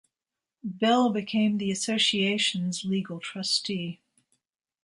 Bell, became the Association's legal trustee.